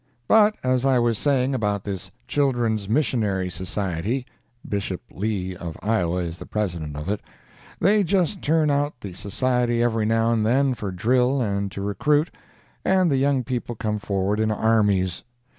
But, as I was saying about this Children's Missionary Society, (Bishop Lee, of Iowa, is the President of it,) they just turn out the Society every now and then for drill and to recruit, and the young people come forward in armies.